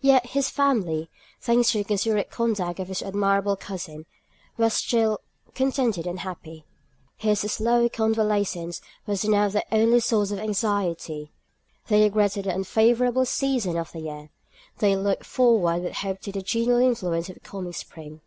Yet his family, thanks to the considerate conduct of his admirable cousin, were still contented and happy. His slow convalescence was now their only source of anxiety. They regretted the unfavourable season of the year; they looked forward with hope to the genial influence of the coming spring.